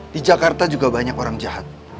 di jakarta juga banyak orang jahat